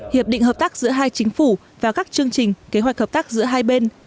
hiệp định hợp tác giữa hai chính phủ và các chương trình kế hoạch hợp tác giữa hai bên